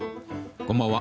こんばんは。